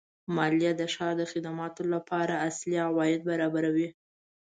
مالیه د ښار د خدماتو لپاره اصلي عواید برابروي.